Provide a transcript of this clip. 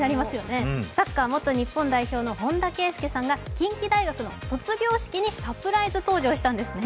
サッカー元日本代表の本田圭佑さんが近畿大学の卒業式にサプライズ登場したんですね。